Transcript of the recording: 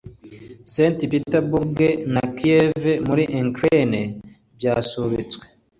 Saint-Pétersbourg na Kiev muri Ukraine byasubitswe